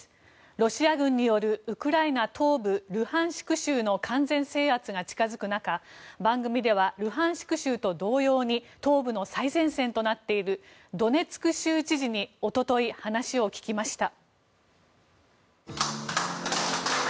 ロシア軍によるウクライナ東部ルハンシク州の完全制圧が近づく中、番組ではルハンシク州と同様に東部の最前線となっているドネツク州知事に一昨日話を聞きました。